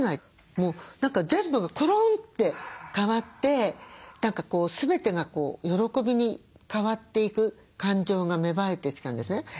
もう全部がコロンって変わって全てが喜びに変わっていく感情が芽生えてきたんですね。